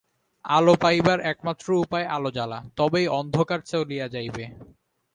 আলো পাইবার একমাত্র উপায় আলো জ্বালা, তবেই অন্ধকার চলিয়া যাইবে।